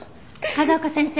風丘先生。